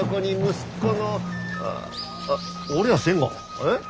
えっ？